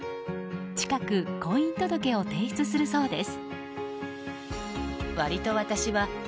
近く婚姻届を提出するそうです。